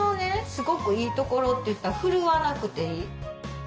すごくいいところといったらふるわなくていい。